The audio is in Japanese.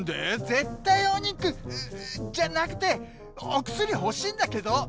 絶対お肉じゃなくてお薬欲しいんだけど！